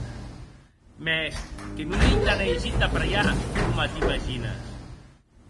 Mès que non ei tant aisit d'apraiar coma t'imagines!